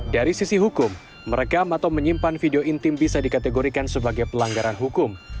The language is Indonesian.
dari sisi hukum merekam atau menyimpan video intim bisa dikategorikan sebagai pelanggaran hukum